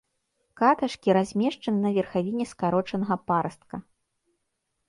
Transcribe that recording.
Каташкі размешчаны на верхавіне скарочанага парастка.